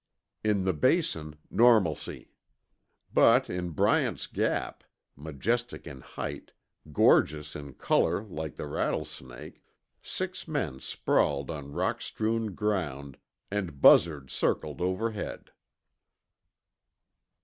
In the Basin, normalcy. But in Bryant's Gap, majestic in height, gorgeous in color like the rattlesnake, six men sprawled on rockstrewn ground, and buzzards circled overhead.